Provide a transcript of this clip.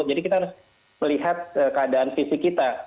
jadi kita harus melihat keadaan fisik kita